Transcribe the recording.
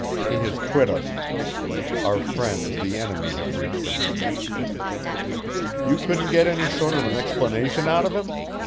"He has quit us. Our friends the enemy have reached him." "You couldn't get any sort of an explanation out of him?"